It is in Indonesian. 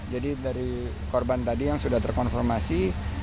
jadi dari korban tadi yang sudah terkonformasi